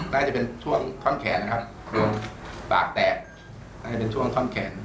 น่าจะเป็นช่วงท่อนแขนครับโดนปากแตกน่าจะเป็นช่วงท่อนแขน